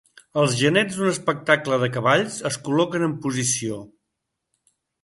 Els genets d'un espectacle de cavalls es col·loquen en posició.